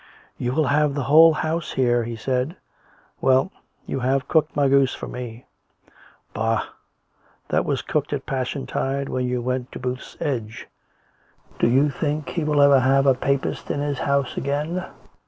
" You will have the whole house here," he said. " Well, you have cooked my goose for me." " Bah ! that was cooked at Passiontide when you went to Booth's Edge. Do you think he'll ever have a Papist in his house again